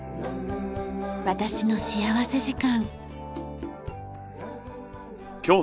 『私の幸福時間』。